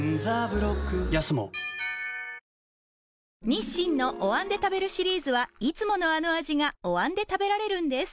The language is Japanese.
日清のお椀で食べるシリーズはいつものあの味がお椀で食べられるんです